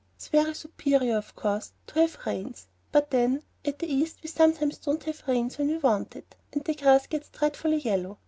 It's very superior, of course, to have rains; but then at the East we sometimes don't have rain when we want it, and the grass gets dreadfully yellow.